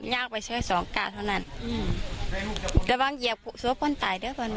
ยากไปเชื่อสองกาเท่านั้นอืมแล้วบางอย่างสวบป้นตายด้วยป่ะอืม